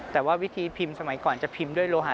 แต่ว่าวิธีพิมพ์สมัยก่อนจะพิมพ์ด้วยโลหะ